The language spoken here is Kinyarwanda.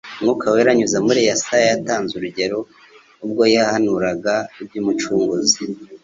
Mwuka Wera anyuze muri Yesaya, yatanze urugero, ubwo yahanuraga iby'Umucunguzi,